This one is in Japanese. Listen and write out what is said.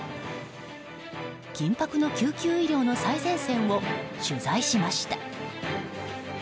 緊迫の救急医療の最前線を取材しました。